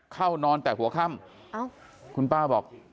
เข้านอนแต่หัวค่ำคุณป้าบอก